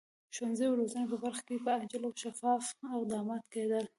د ښوونې او روزنې په برخه کې به عاجل او شفاف اقدامات کېدل.